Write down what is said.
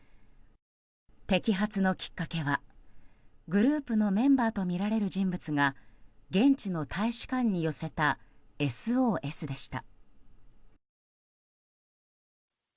摘発のきっかけはグループのメンバーとみられる人物が現地の大使館に寄せたＳＯＳでした。